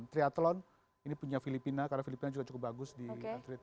triathlon ini punya filipina karena filipina juga cukup bagus di atlet